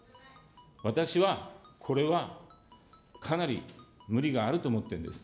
私はこれは、かなり無理があると思ってるんです。